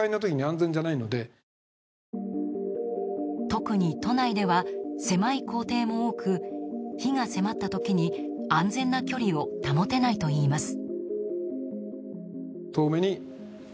特に都内では狭い校庭も多く火が迫った時に安全な距離を保てないといいます。